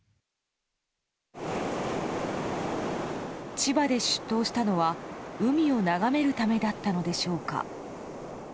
千葉で出頭したのは海を眺めるためだったのでしょうか。